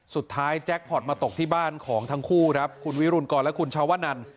แจ็คพอร์ตมาตกที่บ้านของทั้งคู่ครับคุณวิรุณกรและคุณชาวนัน